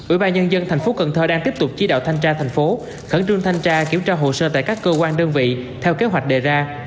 ubnd tp cn đang tiếp tục chỉ đạo thanh tra thành phố khẩn trương thanh tra kiểm tra hồ sơ tại các cơ quan đơn vị theo kế hoạch đề ra